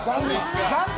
残念。